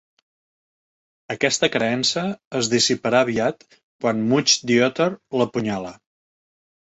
Aquesta creença es dissiparà aviat quan Mudge the Otter l'apunyala.